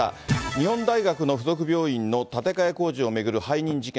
日本大学の附属病院の建て替え工事を巡る背任事件。